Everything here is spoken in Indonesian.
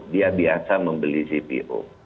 dia biasa membeli cpo